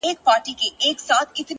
هڅه د بریا د دروازې کلی ده.